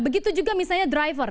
begitu juga misalnya driver